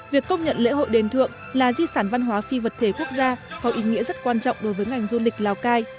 việc công nhận lễ hội đền thượng là di sản văn hóa phi vật thể quốc gia có ý nghĩa rất quan trọng đối với ngành du lịch lào cai